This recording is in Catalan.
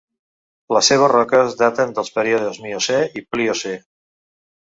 Les seves roques daten dels períodes miocè i Pliocè.